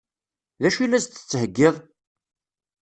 D acu i la s-d-tettheggiḍ?